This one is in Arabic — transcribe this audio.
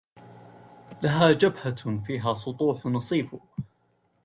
لها جبهة فيها سطوح نصيف